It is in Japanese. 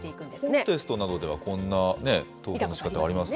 コンテストなどでは、こんな投票のしかた、ありますよね。